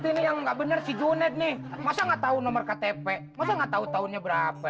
ini yang enggak bener sih cunit nih masa enggak tahu nomor ktp masa enggak tahu tahunnya berapa